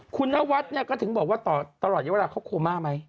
คุณนวัสต์ก็ถึงบอกว่าตลอดเยอะวันาเขาโคม่าไหม